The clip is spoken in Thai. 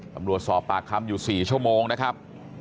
สอบปากคำอยู่๔ชั่วโมงนะครับ